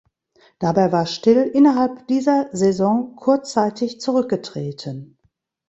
Dabei war Still innerhalb dieser Saison kurzzeitig zurückgetreten.